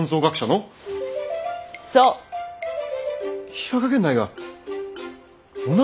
平賀源内が女！？